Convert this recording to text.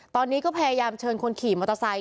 ตอนนี้ก็พยายามเชิญคนขี่มอเตอร์ไซค